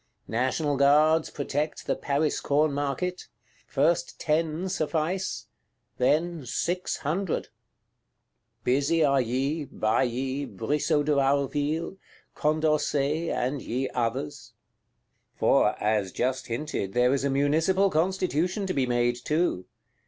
National Guards protect the Paris Corn Market: first ten suffice; then six hundred. Busy are ye, Bailly, Brissot de Warville, Condorcet, and ye others! For, as just hinted, there is a Municipal Constitution to be made too.